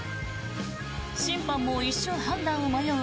審判も一瞬判断を迷う